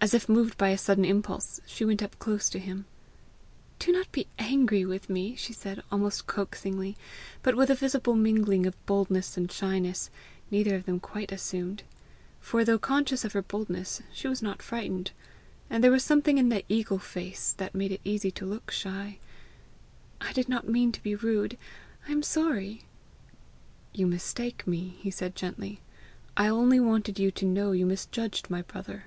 As if moved by a sudden impulse, she went close up to him. "Do not be angry with me," she said, almost coaxingly, but with a visible mingling of boldness and shyness, neither of them quite assumed; for, though conscious of her boldness, she was not frightened; and there was something in the eagle face that made it easy to look shy. "I did not mean to be rude. I am sorry." "You mistake me," he said gently. "I only wanted you to know you misjudged my brother."